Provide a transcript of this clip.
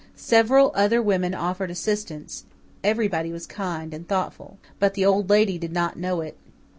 Several other women offered assistance. Everybody was kind and thoughtful. But the Old Lady did not know it.